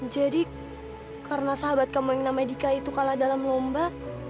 jadi karena sahabat kamu yang namanya dika itu kalah dalam lomba